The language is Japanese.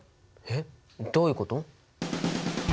えっどういうこと？